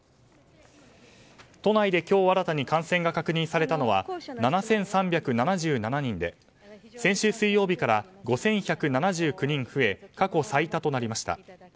都内で今日新たに感染が確認されたのは７３７７人で、先週水曜日から５１７９人増え過去最多となりました。